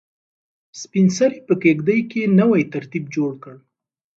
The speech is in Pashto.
سپین سرې په کيږدۍ کې نوی ترتیب جوړ کړ.